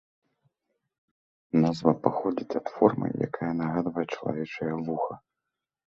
Назва паходзіць ад формы, якая нагадвае чалавечае вуха.